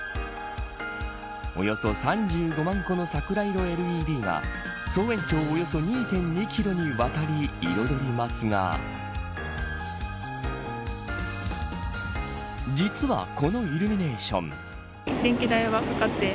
およそ３５万個の桜色ＬＥＤが総延長およそ２．２キロにわたり彩りますが実は、このイルミネーション。